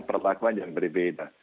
perlakuan yang berbeda